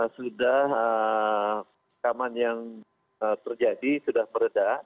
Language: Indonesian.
sudah keamanan yang terjadi sudah meredah